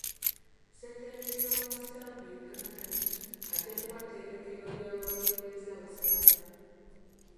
Ssetendekero w'abasiraamu mu Uganda ajja kuba ttendekero ly'abakulembeze abasiraamu.